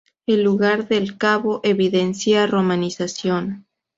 El lugar del cabo evidencia romanización.